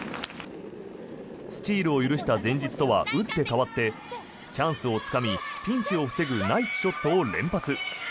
スチールを許した前日とはうって変わってチャンスをつかみ、ピンチを防ぐナイスショットを連発。